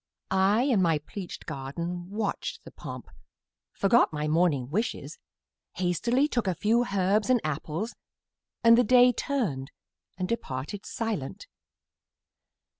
I, in my pleached garden, watched the pomp, Forgot my morning wishes, hastily Took a few herbs and apples, and the Day Turned and departed silent.